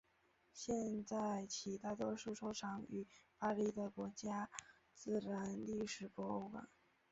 现在起大多数收藏存于巴黎的国家自然历史博物馆。